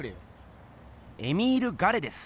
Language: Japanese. エミール・ガレです。